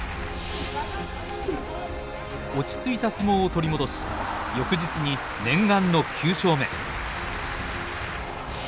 落ち着いた相撲を取り戻し翌日に念願の９勝目。